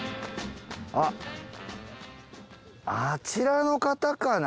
あっあちらの方かな？